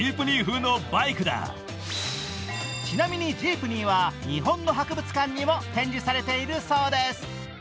ちなみにジープニーは日本の博物館にも展示されているそうです。